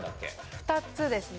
２つですね。